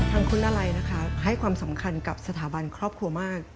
ทางคุณอะไรนะคะให้ความสำคัญกับสถาบันครอบครัวมาก